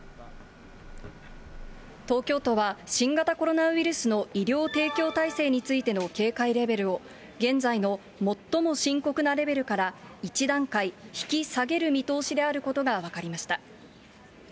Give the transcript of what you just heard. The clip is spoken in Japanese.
東京都は新型コロナウイルスの医療提供体制についての警戒レベルを、現在の最も深刻なレベルから、１段階引き下げる見通しであることが分かりました。